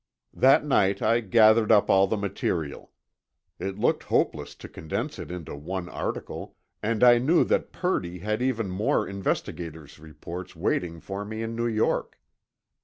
That night I gathered up all the material. It looked hopeless to condense it into one article, and I knew that Purdy had even more investigators' reports waiting for me in New York.